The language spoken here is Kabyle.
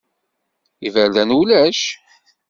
Iberdan ulac.